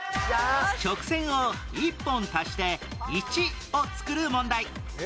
直線を１本足して１を作る問題